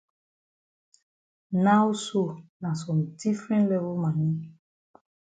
Now so na some different level mami.